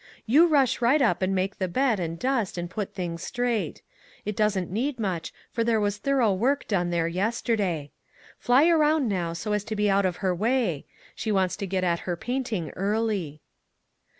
You rush right up and make the bed, and dust, and put things straight. It doesn't need much, for there was thorough work done there yesterday. Fly around now so as to be out of her way ; she wants to get at her painting early."